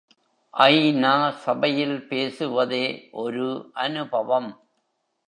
ஐ.நா.சபையில் பேசுவதே ஒரு அனுபவம்.